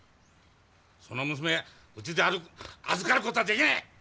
その娘うちであず預かることはできねえ！